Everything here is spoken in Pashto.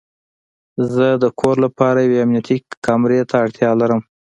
زه د کور لپاره یوې امنیتي کامرې ته اړتیا لرم